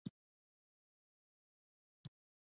پوځ زړه قوت کړ.